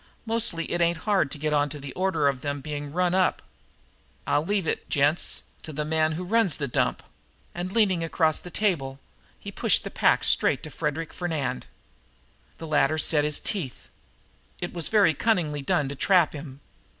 Mostly it ain't hard to get onto the order of them being run up. I'll leave it, gents, to the man that runs this dump." And, leaning across the table, he pushed the pack straight to Frederic Fernand. The latter set his teeth. It was very cunningly done to trap him.